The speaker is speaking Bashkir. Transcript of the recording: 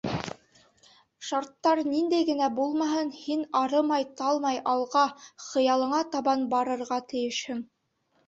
Шарттар ниндәй генә булмаһын, һин арымай-талмай алға, хыялыңа табан барырға тейешһең.